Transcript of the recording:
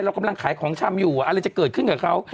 เรากำลังขายของชำอยู่อะไรจะเกิดขึ้นกับเขา